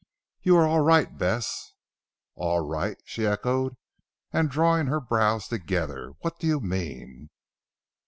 You are all right Bess." "All right!" she echoed and drawing her brows together. "What do you mean?"